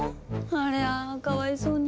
ありゃかわいそうに。